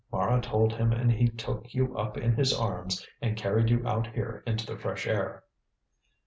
Mara told him and he took you up in his arms and carried you out here into the fresh air."